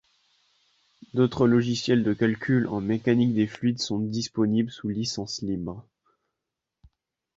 D'autres logiciels de calcul en mécanique des fluides sont disponibles sous licence libre.